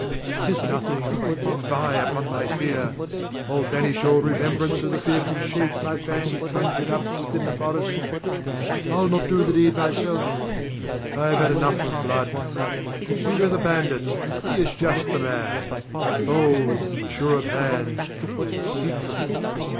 'Tis nothing; fie upon my fear! I'll banish all remembrance of the fearful shape my fancy conjured up within the forest. I'll not do the deed myself, I have had enough of blood. Hugo the bandit: he is just the man, bold, sure of hand, and secret.